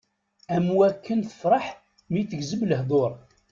Am wakken tefreḥ mi tegzem lehdur.